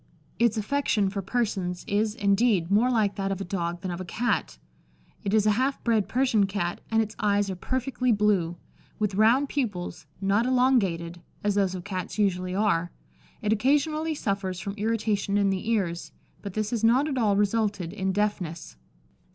Its affection for persons is, indeed, more like that of a dog than of a Cat. It is a half bred Persian Cat, and its eyes are perfectly blue, with round pupils, not elongated, as those of Cats usually are. It occasionally suffers from irritation in the ears, but this has not at all resulted in deafness."